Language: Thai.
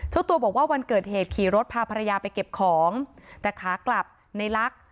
เจ้าตัวบอกว่าวันเกิดเหตุขี่รถพาภรรยาไปเก็บของแต่ขากลับในลักษณ์